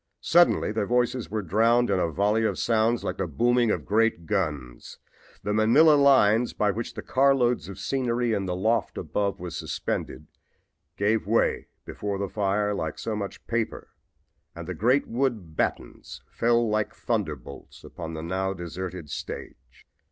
Suddenly their voices were drowned in a volley of sounds like the booming of great guns. The manila lines by which the carloads of scenery in the loft above was suspended gave way before the fire like so much paper and the great wooden batons fell like thunder bolts upon the now deserted stage.